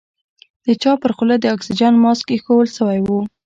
د چا پر خوله د اکسيجن ماسک ايښوول سوى و.